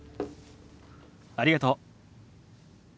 ありがとう。